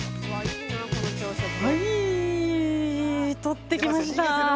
◆はい、取ってきました。